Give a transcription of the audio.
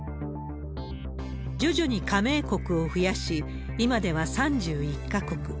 徐々に加盟国を増やし、今では３１か国。